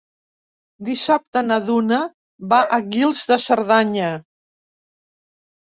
Dissabte na Duna va a Guils de Cerdanya.